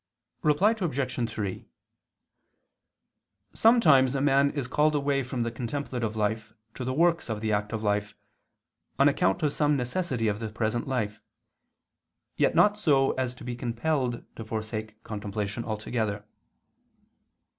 Reply Obj. 3: Sometimes a man is called away from the contemplative life to the works of the active life, on account of some necessity of the present life, yet not so as to be compelled to forsake contemplation altogether.